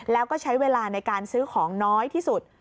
แล้วก็ใช้เวลาในการซื้อของน้อยที่สุด